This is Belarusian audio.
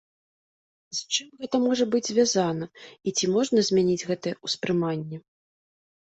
З чым гэта можа быць звязана і ці можна змяніць гэта ўспрыманне?